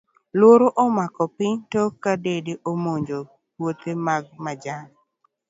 Luoro omako piny, tok ka dede omonjo puthe mag majan.